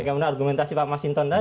sebagai argumentasi pak mas inton tadi